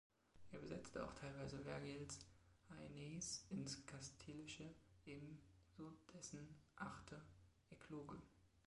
Er übersetzte auch teilweise Vergils Aeneis ins Kastilische, ebenso dessen achte Ekloge.